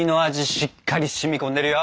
しっかりしみこんでるよ！